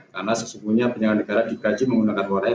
karena sesungguhnya penyelenggara negara digaji menggunakan waran